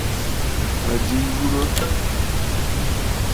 À jɨ nyurə.